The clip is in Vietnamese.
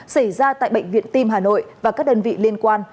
xảy ra tại bệnh viện tim hà nội và các đơn vị liên quan